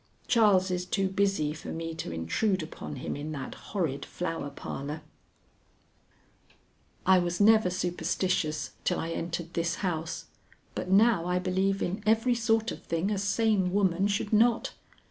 Charles is too busy for me to intrude upon him in that horrid Flower Parlor. I was never superstitious till I entered this house; but now I believe in every sort of thing a sane woman should not.